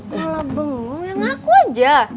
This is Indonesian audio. lola bengong yang aku aja